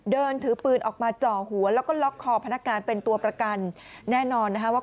เดินถือปืนออกมาเจาะหัวแล้วก็ล็อกคอพนักงานเป็นตัวประกัน